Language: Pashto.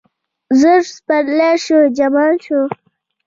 زر سپرلیه شوم، جمال شوم